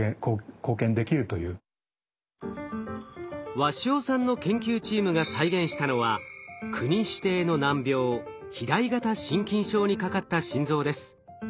鷲尾さんの研究チームが再現したのは国指定の難病肥大型心筋症にかかった心臓です。